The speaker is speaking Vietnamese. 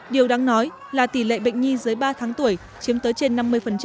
điều đáng nói là tỷ lệ bệnh nhi dưới ba tháng tuổi chiếm tới trên năm mươi